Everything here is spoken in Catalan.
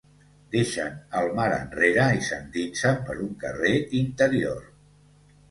Deixen el mar enrere i s'endinsen per un carrer interior.